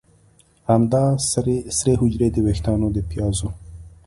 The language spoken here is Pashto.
همدا سرې حجرې د ویښتانو د پیازو